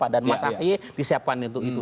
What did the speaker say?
dan mas ari disiapkan itu